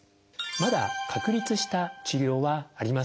まだ確立した治療はありません。